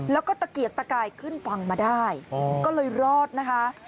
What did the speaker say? แล้วก็ตะเกียกตะกายขึ้นฝั่งมาได้ก็เลยรอดนะคะ